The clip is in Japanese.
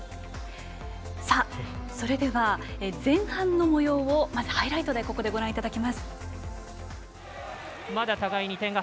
それでは前半のもようをハイライトでご覧いただきます。